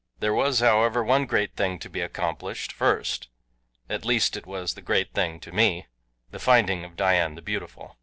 There was, however, one great thing to be accomplished first at least it was the great thing to me the finding of Dian the Beautiful.